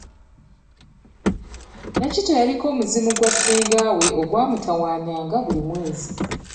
Nakitto yaliko omuzimu gwa senga we ogwa mutawaanyanga buli mwezi.